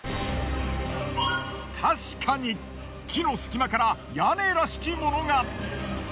確かに木の隙間から屋根らしきものが！